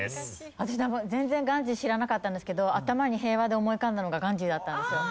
私多分全然ガンジー知らなかったんですけど頭に「平和」で思い浮かんだのがガンジーだったんですよ。